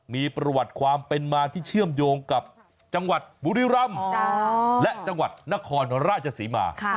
มีประวัติความเป็นมาที่เชื่อมโยงกับจังหวัดบุรีรำและจังหวัดนครราชศรีมา